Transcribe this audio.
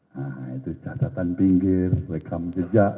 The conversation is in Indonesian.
nah itu catatan pinggir rekam jejak